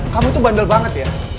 kamu tuh bandel banget ya